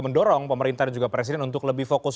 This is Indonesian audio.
mendorong pemerintah dan juga presiden untuk lebih fokus